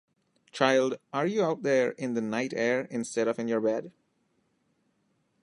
Child, are you out there in the night air instead of in your bed?